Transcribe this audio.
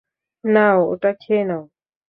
নাও, ওটা খেয়ে নাও।